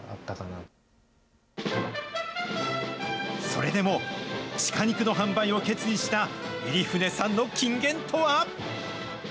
それでもシカ肉の販売を決意した入舩さんの金言とは。